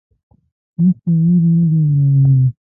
هېڅ تغیر نه دی راغلی.